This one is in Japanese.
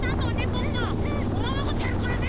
ポッポおままごとやるからね！